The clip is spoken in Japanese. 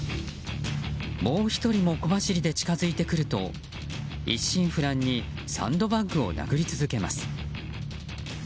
もう１人も小走りで近づいてくると一心不乱にサンドバッグを殴り続けます。